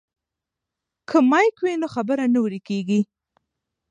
که مایک وي نو خبره نه ورکیږي.